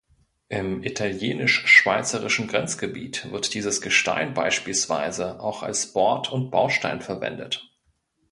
Im italienisch-schweizerischen Grenzgebiet wird dieses Gestein beispielsweise auch als Bord- und Baustein verwendet.